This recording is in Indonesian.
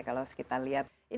kalau kita lihat